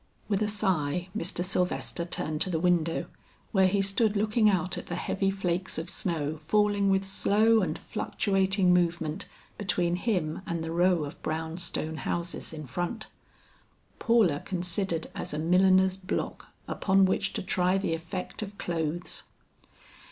With a sigh Mr. Sylvester turned to the window where he stood looking out at the heavy flakes of snow falling with slow and fluctuating movement between him and the row of brown stone houses in front. Paula considered as a milliner's block upon which to try the effect of clothes!